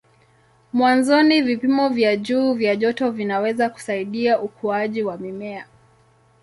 Mwanzoni vipimo vya juu vya joto vinaweza kusaidia ukuaji wa mimea.